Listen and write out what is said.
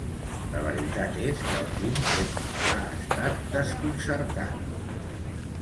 La veritat és que el Tim sempre ha estat desconcertant.